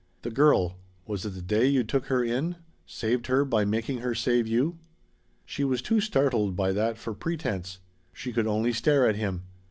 "The girl. Was it the day you took her in? Saved her by making her save you?" She was too startled by that for pretense. She could only stare at him.